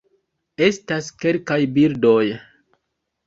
Estas kelkaj bildoj